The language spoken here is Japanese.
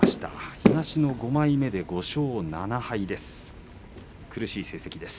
東の５枚目で５勝７敗です。